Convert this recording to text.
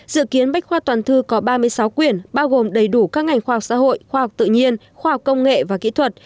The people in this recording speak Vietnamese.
dự kiến bách khoa toàn thư có ba mươi sáu quyển bao gồm đầy đủ các ngành khoa học xã hội khoa học tự nhiên khoa học công nghệ và kỹ thuật